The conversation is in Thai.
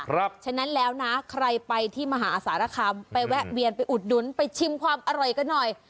เพราะฉะนั้นแล้วนะใครไปที่มหาสารคามไปแวะเวียนไปอุดหนุนไปชิมความอร่อยกันหน่อย